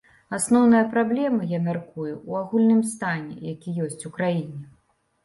Асноўная праблема, я мяркую, у агульным стане, які ёсць у краіне.